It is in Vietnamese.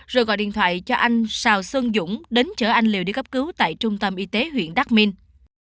rồi gọi điện thoại cho anh xào sơn dũng đến chở anh liều đi cấp cứu tại trung tâm y tế huyện đắc minh